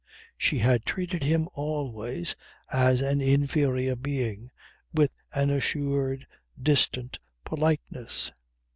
She had treated him always as an inferior being with an assured, distant politeness.